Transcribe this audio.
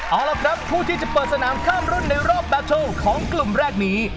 เอาละครับผู้ที่จะเปิดสนามข้ามรุ่นในรอบแบตเทิลของกลุ่มแรกนี้